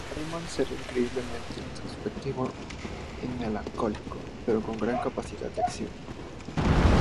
Symonds era increíblemente introspectivo y melancólico, pero con gran capacidad de acción.